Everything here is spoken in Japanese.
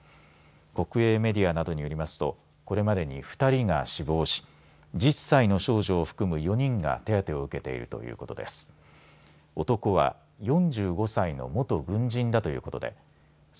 国営メディアなどによりますとこれまでに２人が死亡し１０歳の少女を含む４人が手当てを受けているということです。